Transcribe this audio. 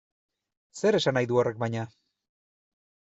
Zer esan nahi du horrek baina?